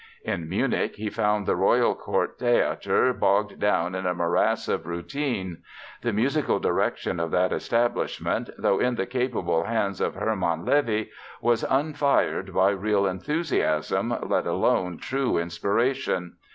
In Munich he found the Royal Court Theatre bogged down in a morass of routine. The musical direction of that establishment, though in the capable hands of Hermann Levi, was unfired by real enthusiasm, let alone true inspiration.